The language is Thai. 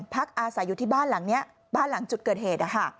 พักอาศัยอยู่ที่บ้านหลังนี้บ้านหลังจุดเกิดเหตุนะคะ